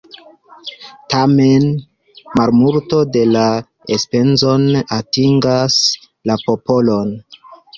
Tamen malmulto de la enspezoj atingas la popolon.